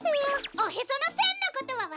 おへそのせんのことはわすれすぎる！